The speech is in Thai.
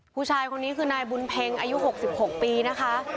ผู้ชายคนนี้คือนายบุญเพ็งอายุ๖๖ปีนะคะ